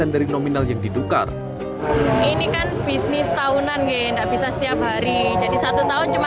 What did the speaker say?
dari nominal yang diduka ini kan bisnis tahunan bisa setiap hari jadi satu tahun cuma